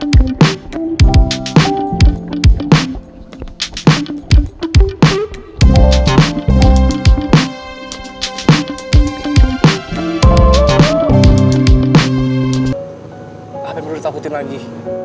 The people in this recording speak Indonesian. apa yang perlu ditakutin lagi